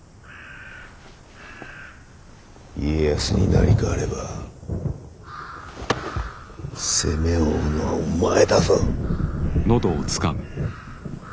家康に何かあれば責めを負うのはお前だぞ。